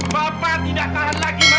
bapak tidak tahan lagi